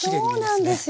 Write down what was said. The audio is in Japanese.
そうなんですよ。